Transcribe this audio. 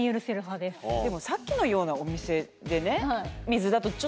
でもさっきのようなお店でね。